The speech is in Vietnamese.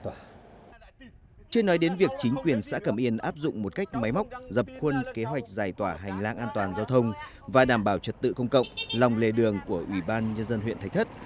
chưa nói đến việc chính quyền xã cẩm yên áp dụng một cách máy móc dập khuôn kế hoạch giải tỏa hành lang an toàn giao thông và đảm bảo trật tự công cộng lòng lề đường của ủy ban nhân dân huyện thạch thất